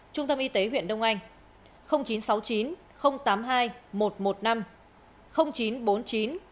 trung tâm y tế huyện đông anh chín trăm sáu mươi chín tám mươi hai một trăm một mươi năm chín trăm bốn mươi chín ba trăm chín mươi sáu một trăm một mươi năm cdc hà nội